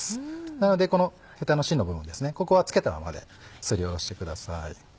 なのでこのヘタの芯の部分ここは付けたままですりおろしてください。